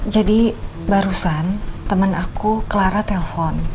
jadi barusan temen aku clara telpon